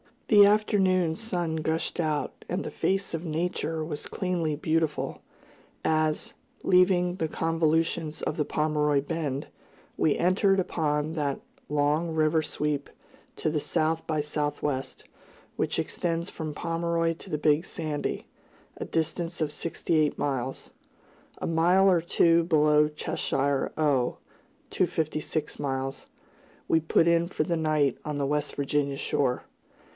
The afternoon sun gushed out, and the face of Nature was cleanly beautiful, as, leaving the convolutions of the Pomeroy Bend, we entered upon that long river sweep to the south by southwest, which extends from Pomeroy to the Big Sandy, a distance of sixty eight miles. A mile or two below Cheshire, O. (256 miles), we put in for the night on the West Virginia shore.